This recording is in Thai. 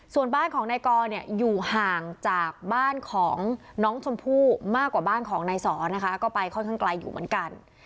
ส่วนบ้านของนายกอเนี่ยอยู่ห่างจากบ้านของน้องชมพู่มากกว่าบ้านของนายสอนะคะก็ไปค่อนข้างไกลอยู่เหมือนกัน